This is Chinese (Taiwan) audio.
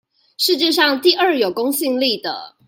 世界上第二有公信力的